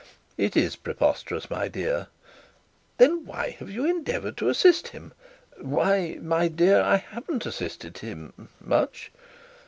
'It is preposterous, my dear.' 'Then why have you endeavoured to assist him?' 'Why, my dear, I haven't assisted him much.'